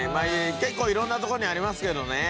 結構色んなとこにありますけどね。